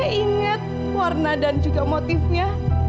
saya ingat warna dan juga motifnya